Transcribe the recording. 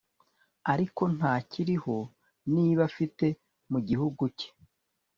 Ariko ntakiriho niba afite mugihugu cye